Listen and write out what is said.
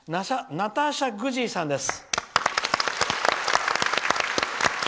ナターシャ・グジーです。